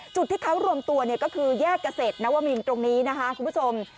จุดที่เขารวมตัวเนี่ยก็คือแยกเกษตรนวมินตรงนี้นะคะคุณผู้ชม